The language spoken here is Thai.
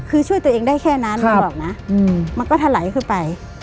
คือช่วยตัวเองได้แค่นั้นมันบอกนะมันก็ถลายขึ้นไป